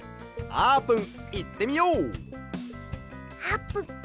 あーぷん！